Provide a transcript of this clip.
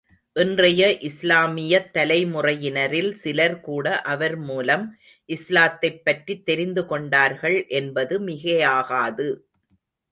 இன்றைய இஸ்லாமியத் தலைமுறையினரில் சிலர் கூட அவர் மூலம் இஸ்லாத்தைப் பற்றித் தெரிந்துகொண்டார்கள் என்பது மிகையாகாது.